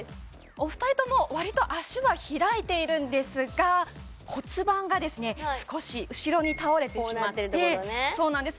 お二人ともわりと脚は開いているんですが骨盤がですね少し後ろに倒れてしまってそうなんです